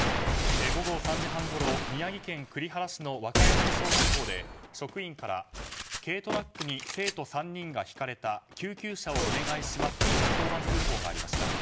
午後３時半ごろ、宮城県栗原市のワカヤナギ小学校で職員から軽トラックに生徒３人がひかれた救急車をお願いしますと１１０番通報がありました。